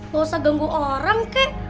gak usah genggung orang kek